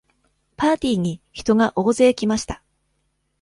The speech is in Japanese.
パーティーに人が大勢来ました。